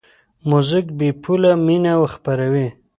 موزیک بېپوله مینه خپروي.